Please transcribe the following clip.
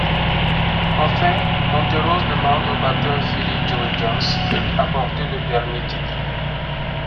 Enfin Monterose demande au batteur Philly Joe Jones de lui apporter le dernier titre.